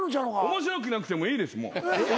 面白くなくてもいいです。